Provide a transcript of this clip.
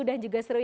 dan juga sebagainya